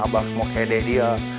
abah mau kede dia